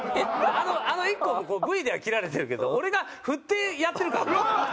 あのＩＫＫＯもＶでは切られてるけど俺が振ってやってるからね。